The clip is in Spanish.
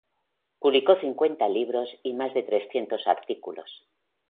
Publicó cincuenta libros y más de trescientos artículos.